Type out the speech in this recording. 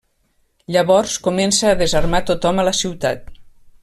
Llavors comença a desarmar tothom a la ciutat.